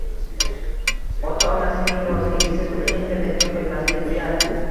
Ota -onasining roziligisiz uni internetga qo'ymaslik uyat.